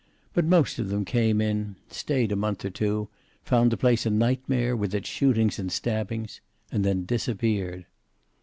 But most of them came in, stayed a month or two, found the place a nightmare, with its shootings and stabbings, and then disappeared.